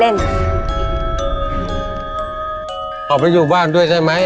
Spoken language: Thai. ออกไปอยู่บ้านด้วยใช่ไหม